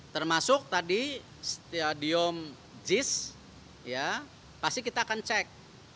termasuk tadi stadium jis pasti kita akan cek